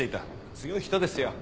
強い人ですよ。